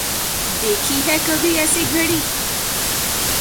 دیکھی ہے کبھی ایسی گھڑی